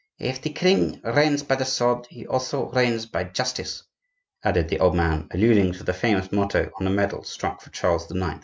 If the king reigns by the sword, he also reigns by justice," added the old man, alluding to the famous motto on a medal struck for Charles IX.